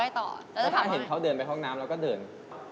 ต่อทิวเขาเดินไปร้องน้ำแล้วก็เพื่ำ